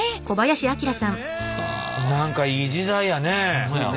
何かいい時代やね。